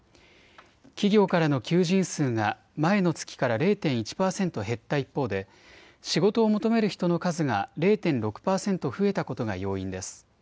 企業からの求人数が前の月から０．１％減った一方で仕事を求める人の数が０．６％増えたことが要因です。